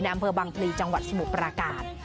อำเภอบังพลีจังหวัดสมุทรปราการ